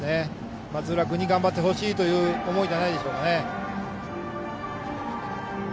松浦君に頑張ってほしいという思いじゃないでしょうか。